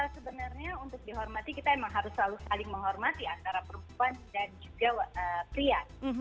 sebenarnya untuk dihormati kita memang harus selalu saling menghormati antara perempuan dan juga pria